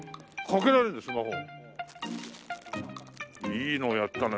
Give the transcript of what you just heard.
いいのやったね。